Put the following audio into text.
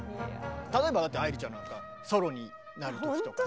例えばだって愛理ちゃんなんかソロになる時とかさ。